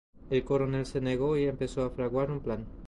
El coronel se negó y empezó a fraguar un plan.